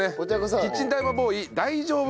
キッチンタイマーボーイ大丈夫！